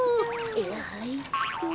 はいっと。